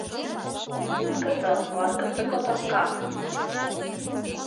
Уткыты, ларкыты котомка